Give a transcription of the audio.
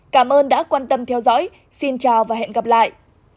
cảm ơn đã quan tâm theo dõi xin chào và hẹn gặp lại